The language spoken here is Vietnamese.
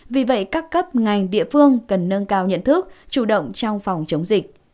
vì vậy các cấp ngành địa phương cần nâng cao nhận thức chủ động trong phòng chống dịch